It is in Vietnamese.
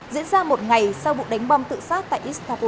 diễn ra một ngày sau vụ đánh bom tự xác tại istanbul